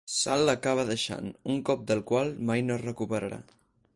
Sal l'acaba deixant, un cop del qual mai no es recuperarà.